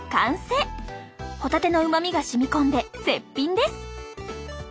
ホタテのうまみがしみ込んで絶品です！